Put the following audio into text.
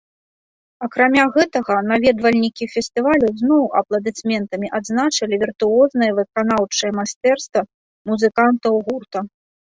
Акрамя гэтага, наведвальнікі фестывалю зноў апладысментамі адзначылі віртуознае выканаўчае майстэрства музыкантаў гурта.